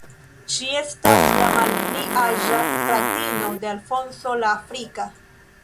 Ŝi estas la malpli aĝa fratino de Alfonso la Afrika.